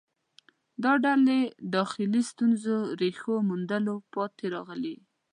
دا ډلې داخلي ستونزو ریښو موندلو پاتې راغلې